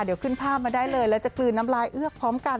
เดี๋ยวขึ้นภาพมาได้เลยแล้วจะกลืนน้ำลายเอือกพร้อมกัน